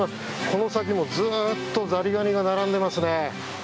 この先もずっとザリガニが並んでいますね。